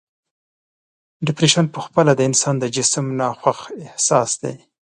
ډپریشن په خپله د انسان د جسم ناخوښ احساس دی.